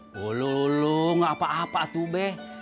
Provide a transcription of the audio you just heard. bolu gak apa apa tuh beh